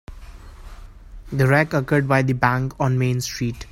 The wreck occurred by the bank on Main Street.